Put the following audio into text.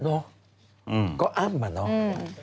โอ้โฮก็อ้ำเหรอ